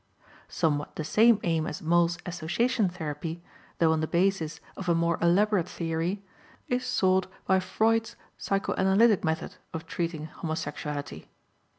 Somewhat the same aim as Moll's association therapy, though on the basis of a more elaborate theory, is sought by Freud's psychoanalytic method of treating homosexuality.